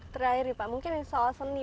terakhir nih pak mungkin soal seni